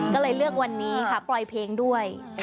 ก็เลยเลือกวันนี้ค่ะปล่อยเพลงด้วย